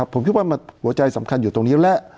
ผมคิดว่าหัวใจสำคัญอยู่ตรงนี้แหละ